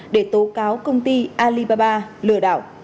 để tố cáo công ty alibaba lừa đảo